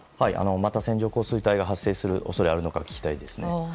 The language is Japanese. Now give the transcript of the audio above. また線状降水帯が発生する恐れがあるのか聞きたいですね。